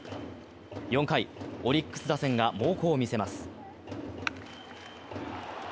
４回、オリックス打線が猛攻を見せます。